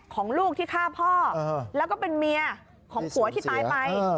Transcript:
ของลูกที่ฆ่าพ่อแล้วก็เป็นเมียของผัวที่ตายไป